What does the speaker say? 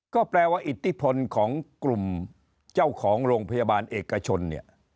ก็แปลว่าอิทธิพลของกลุ่มเจ้าของโรงพยาบาลเอกชนเนี่ย